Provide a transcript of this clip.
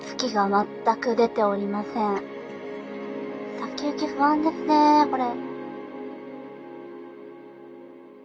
先行き不安ですねこれ。